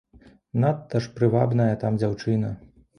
Надта ж прывабная там дзяўчына.